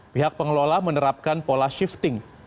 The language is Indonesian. pihak pengelola menerapkan pola shifting